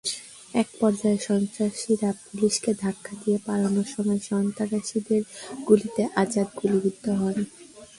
একপর্যায়ে সন্ত্রাসীরা পুলিশকে ধাক্কা দিয়ে পালানোর সময় সন্ত্রাসীদের গুলিতে আজাদ গুলিবিদ্ধ হন।